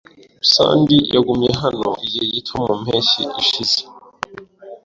Sandy yagumye hano igihe gito mu mpeshyi ishize.